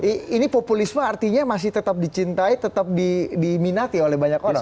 ini populisme artinya masih tetap dicintai tetap diminati oleh banyak orang